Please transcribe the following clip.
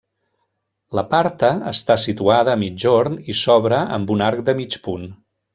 La parta està situada a migjorn i s'obre amb un arc de mig punt.